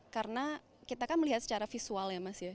karena kita kan melihat secara visual ya mas ya